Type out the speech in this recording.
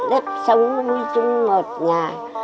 đếp sống vui chung một nhà